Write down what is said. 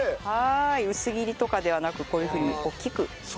薄切りとかではなくこういうふうに大きく。